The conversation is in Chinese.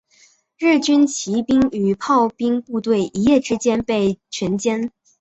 日军骑兵与炮兵部队一夜之间被全歼。